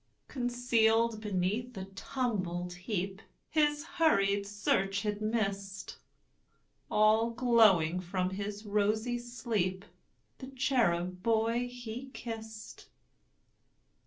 Concealed beneath a tumbled heapHis hurried search had missed, All glowing from his rosy sleep, The cherub boy he kissed.